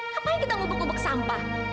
ngapain kita mumpuk mumpuk sampah